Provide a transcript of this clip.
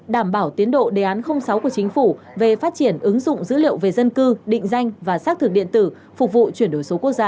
đảm bảo tiến độ đề án sáu của chính phủ về phát triển ứng dụng dữ liệu về dân cư định danh và xác thực điện tử phục vụ chuyển đổi số quốc gia